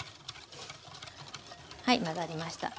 はい混ざりました。